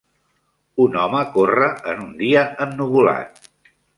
Un home corre en un dia ennuvolat.